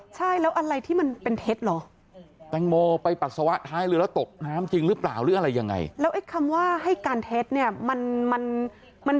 สารภาพเรื่องไหนนะบนเรือ